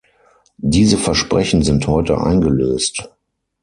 Diese Versprechen sind heute eingelöst.